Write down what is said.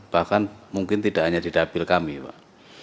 bahkan mungkin tidak hanya didabil kami pak